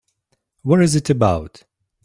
What is it about?